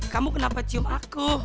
kamu kenapa cium aku